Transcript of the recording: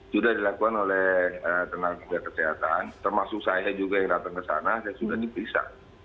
sudah dilakukan oleh tenaga kesehatan termasuk saya juga yang datang ke sana dan sudah diperiksa